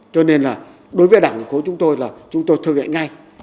cho nên đối với đảng của chúng tôi là chúng tôi thực hiện ngay